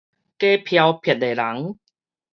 假飄撇的人